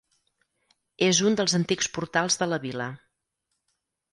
És un dels antics portals de la vila.